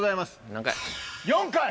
何回？